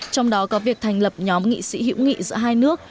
trong đó có việc thành lập nhóm nghị sĩ hữu nghị giữa hai nước